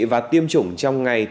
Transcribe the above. và tiêm chủng trong ngày